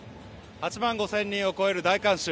８万５０００人を超える大観衆。